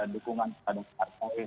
dukungan pada partai